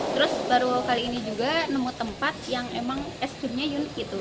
terus baru kali ini juga nemu tempat yang emang es krimnya unik gitu